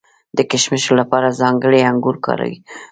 د کشمشو لپاره ځانګړي انګور کارول کیږي.